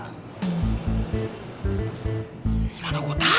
gimana gue tahu